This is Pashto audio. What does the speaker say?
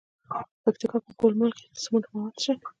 د پکتیکا په ګومل کې د سمنټو مواد شته.